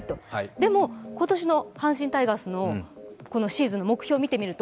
でも今年の阪神タイガースのシーズンの目標をみてみると